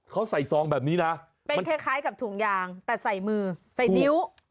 เขาใส่ซองแบบนี้นะมันนี่